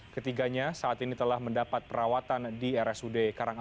ketiganya saat ini telah mendapat perawatan di rsud karangase